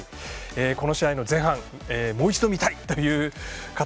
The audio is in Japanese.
この試合の前半もう一度見たい！という方。